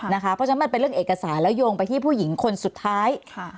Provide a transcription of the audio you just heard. เพราะฉะนั้นมันเป็นเรื่องเอกสารแล้วโยงไปที่ผู้หญิงคนสุดท้าย